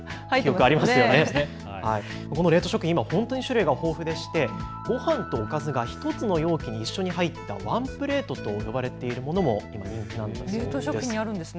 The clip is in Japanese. この冷凍食品、本当に今、種類が豊富でごはんとおかずが１つの容器に一緒に入ったワンプレートと呼ばれているものも人気なんだそうです。